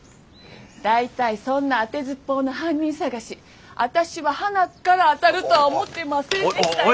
大体そんなあてずっぽうの犯人捜し私ははなっから当たるとは思ってませんでしたよ。